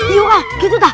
iya kak gitu kak